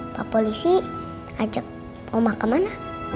papa polisi ajak oma kemana